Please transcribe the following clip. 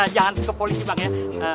jangan ke polisi bang ya